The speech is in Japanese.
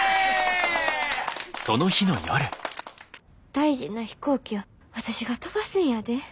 大事な飛行機を私が飛ばすんやで。